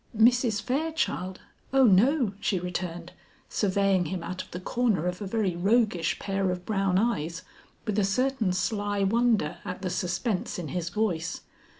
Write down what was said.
"Mrs. Fairchild? O no," she returned, surveying him out of the corner of a very roguish pair of brown eyes, with a certain sly wonder at the suspense in his voice.